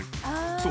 そう。